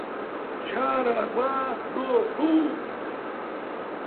Jaraguá do Sul